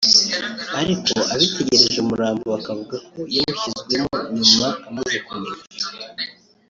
ariko abitegereje umurambo bakavuga ko yawushyizwemo nyuma amaze kunigwa